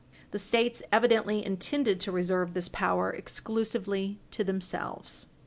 The States evidently intended to reserve this power exclusively to themselves.